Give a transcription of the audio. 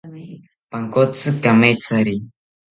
Pankotzi kamethari